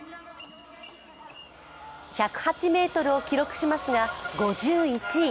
１０８ｍを記録しますが５１位。